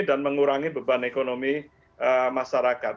dan mengurangi beban ekonomi masyarakat